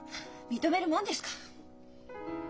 認めるもんですか！